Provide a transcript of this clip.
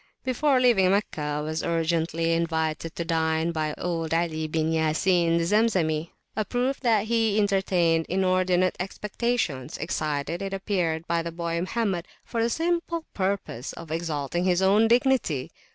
Before leaving Meccah I was urgently invited to dine by old Ali bin Ya Sin, the Zemzemi; a proof that he entertained inordinate expectations, excited, it appeared, by the boy Mohammed, for the simple purpose of exalting his own dignity.